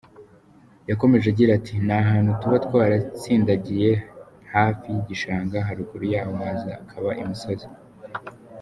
Yakomeje agira ati “Ni ahantu tuba twaratsindagiye hafi y’igishanga, haruguru yaho hakaba imisozi.